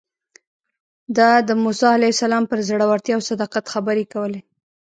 ده د موسی علیه السلام پر زړورتیا او صداقت خبرې کولې.